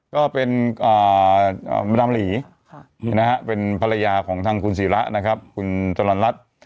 ก็เป็นมดำหลีเป็นภรรยาของทางคุณศิระนะครับคุณจรรย์รัฐ